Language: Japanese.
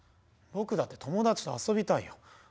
僕だって友達と遊びたいよ。